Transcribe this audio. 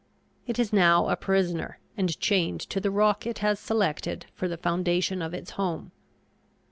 It is now a prisoner and chained to the rock it has selected for the foundation of its home.